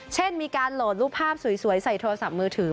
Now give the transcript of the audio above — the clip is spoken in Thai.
เช่นมีการโหลดรูปภาพสวยใส่โทรศัพท์มือถือ